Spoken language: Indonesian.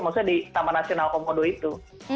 maksudnya di taman nasional komodo itu